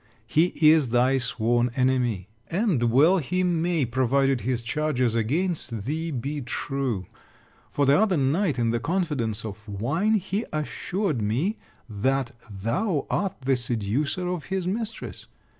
He is thy sworn enemy; and well he may, provided his charges against thee be true, for the other night in the confidence of wine, he assured me, that thou art the seducer of his mistress.